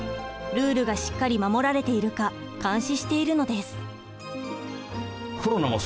ルールがしっかり守られているか監視しているのです。